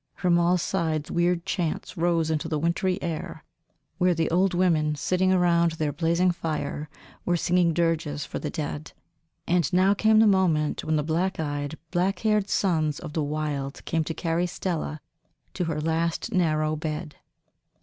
From all sides weird chants rose into the wintry air where the old women, sitting round their blazing fire, were singing dirges for the dead. And now came the moment when the black eyed, black haired sons of the wild came to carry Stella to her last narrow bed.